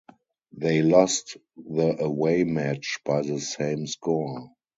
They lost the away match by the same score.